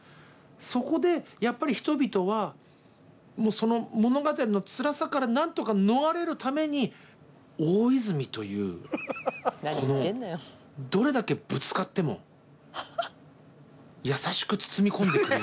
そこでやっぱり人々はその物語のつらさからなんとか逃れるために大泉というこのどれだけぶつかっても優しく包み込んでくれる。